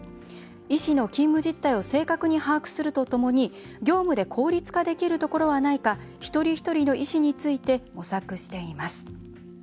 医師の勤務実態を正確に把握するとともに業務で効率化できるところはないか一人一人の医師について模索しています。